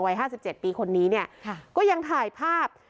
วัยห้าสิบเจ็ดปีคนนี้เนี่ยค่ะก็ยังถ่ายภาพ